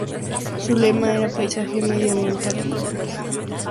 Su lema era "Paisaje, medio ambiente y cultura".